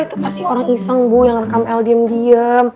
itu pasti orang iseng bu yang rekam el diem diem